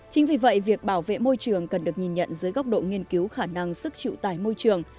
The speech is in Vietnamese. chính vì vậy việc bảo vệ môi trường cần được nhìn nhận dưới góc độ nghiên cứu khả năng sức chịu tải môi trường